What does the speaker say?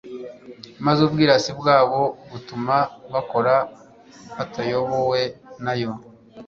maze ubwirasi bwabo butuma bakora batayobowe nayo.